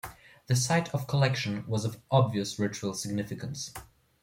The site of collection was of obvious ritual significance.